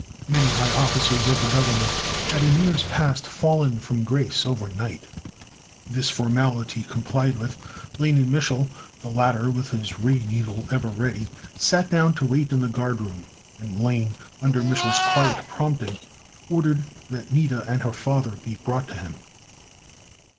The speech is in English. Many high officers of the Government had in years past fallen from grace overnight. This formality complied with, Lane and Mich'l, the latter with his ray needle ever ready, sat down to wait in the guard room. And Lane, under Mich'l's quiet prompting, ordered that Nida and her father be brought to him.